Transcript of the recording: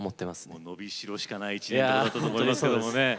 のびしろしかない１年ってことだったと思いますけどね。